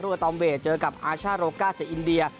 รู้กับตอมเวทเจอกับอาชาโรกาเจออินเดีย